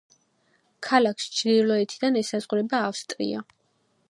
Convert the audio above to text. ქალაქს ჩრდილოეთიდან ესაზღვრება ავსტრია.